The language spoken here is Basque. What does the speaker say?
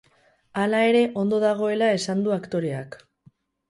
Hala ere, ondo dagoela esan du aktoreak.